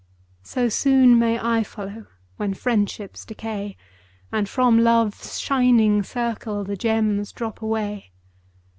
So soon may I follow, When friendships decay, And from Love's shining circle The gems drop away.